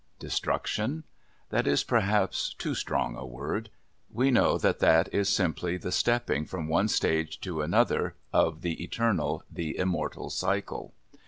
Destruction? That is, perhaps, too strong a word. We know that that is simply the stepping from one stage to another of the eternal, the immortal cycle.